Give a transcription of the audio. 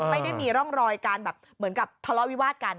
ไม่ได้มีร่องรอยการแบบเหมือนกับทะเลาะวิวาดกัน